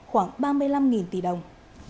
khoảng ba mươi năm tỷ đồng